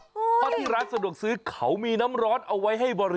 เพราะที่ร้านสะดวกซื้อเขามีน้ำร้อนเอาไว้ให้บริ